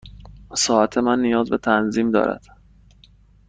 ساعت من نیاز به تنظیم دارد.